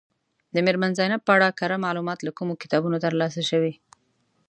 د میرمن زینب په اړه کره معلومات له کومو کتابونو ترلاسه شوي.